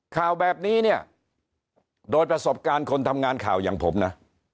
ข่าวแบบนี้เนี่ยโดยประสบการณ์คนทำงานข่าวอย่างผมนะ